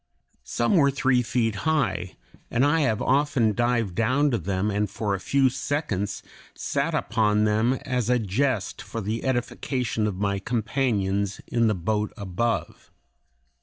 Some were three feet high, and I have often dived down to them and for a few seconds sat upon them as a jest for the edification of my companions in the boat above.